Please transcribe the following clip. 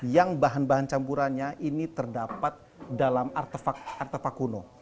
yang bahan bahan campurannya ini terdapat dalam artefak artefak kuno